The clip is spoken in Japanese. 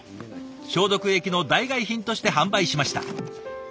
消毒液の代替え品として販売しました。